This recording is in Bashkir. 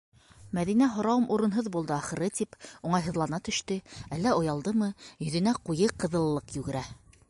- Мәҙинә һорауым урынһыҙ булды, ахыры, тип уңайһыҙлана төштө, әллә оялдымы - йөҙөнә ҡуйы ҡыҙыллыҡ йүгерә...